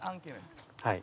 はい。